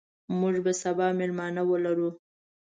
موږ به سبا مېلمانه ولرو.